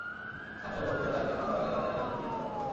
স্থানীয় লোকদের দাবি, আরও আগে তাঁদের নামতে দিলে তাঁরা সফল হতেন।